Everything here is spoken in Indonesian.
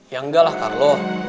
ya enggak lah carlo